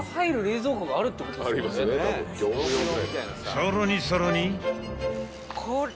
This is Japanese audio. ［さらにさらに］